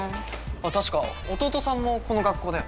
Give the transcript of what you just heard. あっ確か弟さんもこの学校だよね？